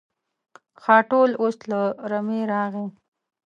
خاټول اوس له رمې راغی.